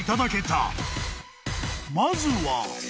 ［まずは］